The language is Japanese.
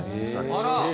あら！